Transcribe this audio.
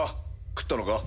食ったのか？